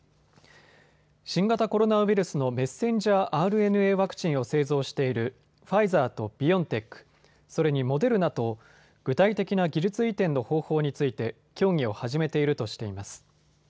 新型コロナウイルスのｍＲＮＡワクチンを製造しているファイザーとビオンテック、それにモデルナと具体的な技術移転の方法について協議を始めているとしています。